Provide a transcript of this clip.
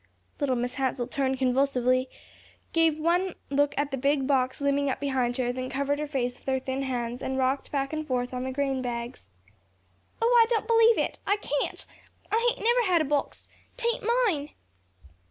Little Mrs. Hansell turned convulsively, gave one look at the big box looming up behind her, then covered her face with her thin hands, and rocked back and forth on the grain bags. "Oh, I don't believe it; I can't. I hain't never had a box. 'Tain't mine."